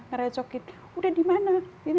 ngeracokin udah dimana